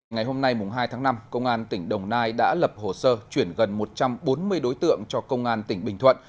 ngày hôm nay hai tháng năm công an tỉnh đồng nai đã lập hồ sơ chuyển gần một trăm bốn mươi đối tượng cho công an tỉnh bình thuận